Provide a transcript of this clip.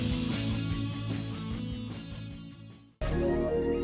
kalianws datasets